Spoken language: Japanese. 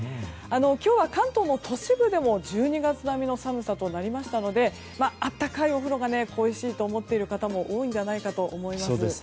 今日は関東も都市部でも１２月の寒さとなりましたので暖かいお風呂が恋しいと思っている方も多いんじゃないかと思います。